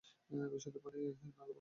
বিশুদ্ধ পানি না লবণাক্ত পানি?